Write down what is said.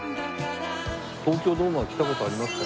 東京ドームは来た事ありますか？